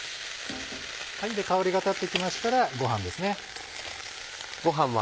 香りが立って来ましたらご飯ですね。